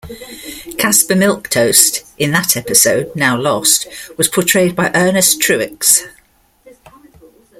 Caspar Milquetoast in that episode, now lost, was portrayed by Ernest Truex.